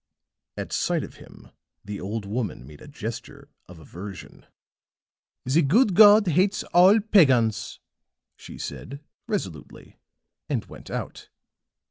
At sight of him the old woman made a gesture of aversion. "The good God hates all pagans," she said, resolutely, and went out.